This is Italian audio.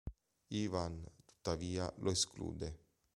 Ivan tuttavia lo esclude.